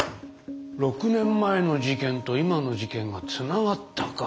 ６年前の事件と今の事件がつながったか。